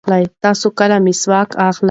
تاسو کله مسواک اخلئ؟